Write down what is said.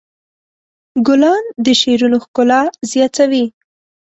ګلان د شعرونو ښکلا زیاتوي.